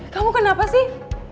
kamu kenapa sih